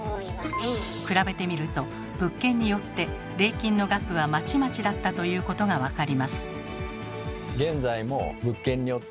比べてみると物件によって礼金の額はまちまちだったということが分かります。